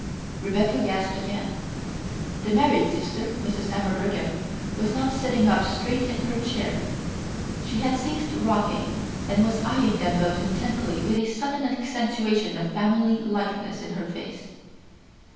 Rebecca gasped again. The married sister, Mrs. Emma Brigham, was now sitting up straight in her chair; she had ceased rocking, and was eyeing them both intently with a sudden accentuation of family likeness in her face.